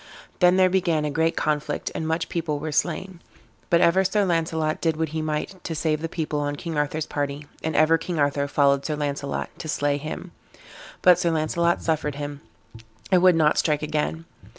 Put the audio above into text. Then there began a great conflict, and much people were slain; but ever Sir Launcelot did what he might to save the people on King Arthur's party, and ever King Arthur followed Sir Launcelot to slay him; but Sir Launcelot suffered him, and would not strike again.